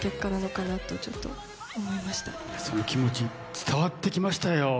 その気持ち伝わって来ましたよ。